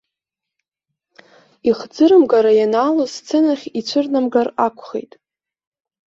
Ихӡырымгара ианаалоз асценахь ицәырнамгар акәхеит.